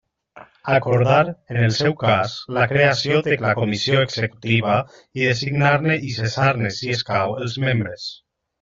Acordar, en el seu cas, la creació de la Comissió Executiva i designar-ne, i cessar-ne si escau, els membres.